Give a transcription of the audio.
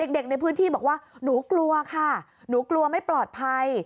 เด็กในพื้นที่บอกว่าหนูกลัวค่ะหนูกลัวไม่ปลอดภัย